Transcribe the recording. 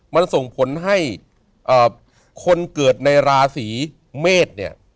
มันส่งผลให้คนเกิดในราศีเมษเนี่ย